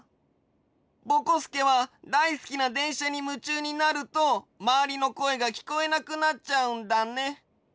ぼこすけはだいすきなでんしゃにむちゅうになるとまわりのこえがきこえなくなっちゃうんだね。